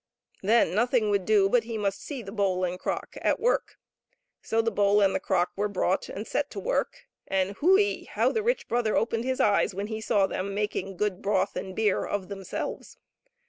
Then nothing would do but he must see the bowl and the crock at work. So the bowl and the crock were brought and set to work and — Hui !— how the rich brother opened his eyes when he saw them making good broth and beer of themselves.